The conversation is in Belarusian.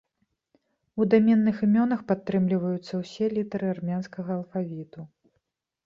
У даменных імёнах падтрымліваюцца ўсе літары армянскага алфавіту.